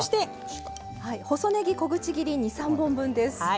細ねぎ、小口切り２３本分です。